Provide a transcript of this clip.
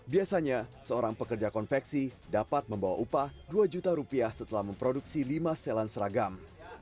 biasanya seorang pekerja konveksi dapat membawa upah dua juta rupiah setelah memproduksi lima setelan seragam